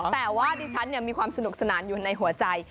แต่ว่าดิฉันมีความสนุกสนานอยู่ในหัวใจ